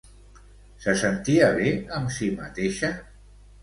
Se sentia bé amb si mateixa?